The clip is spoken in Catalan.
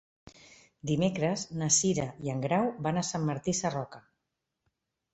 Dimecres na Cira i en Grau van a Sant Martí Sarroca.